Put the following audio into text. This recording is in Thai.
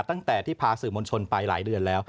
ตั้งแต่ที่พาสื่อมวลชนไปหลายเดือนแล้ว